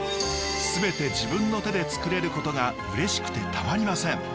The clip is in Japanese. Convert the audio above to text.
全て自分の手でつくれることがうれしくてたまりません。